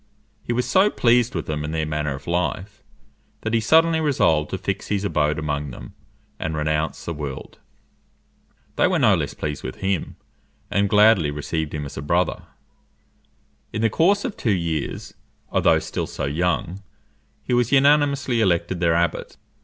He was so pleased with them and their manner of life, that he suddenly resolved to fix his abode among them, and renounce the world. They were no less pleased with him, and gladly received him as a brother. In the course of two years, although still so young, he was unanimously elected their abbot.